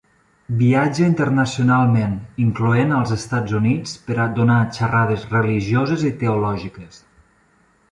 Viatja internacionalment, incloent als Estats Units, per a donar xerrades religioses i teològiques.